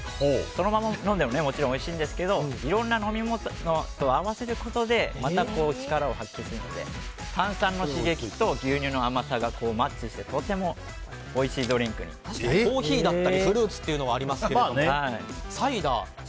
そのまま飲んでももちろんおいしいんですがいろいろな飲み物と合わせることでまた力を発揮するので炭酸の刺激と牛乳の甘さがマッチしてとてもおいしいコーヒーだったりフルーツというのはありますけどサイダー。